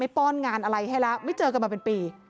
ป้อนงานอะไรให้แล้วไม่เจอกันมาเป็นปี